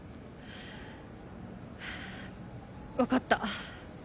分かった。